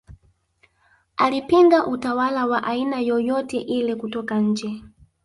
Alipinga utawala wa aina yoyote ile kutoka nje